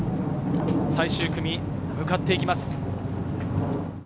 最終組、向かっていきます。